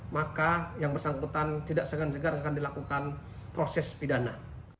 maka yang bersangkutan tidak segan segar akan dilakukan proses pidana